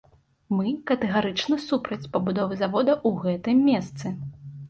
Мы катэгарычна супраць пабудовы завода ў гэтым месцы.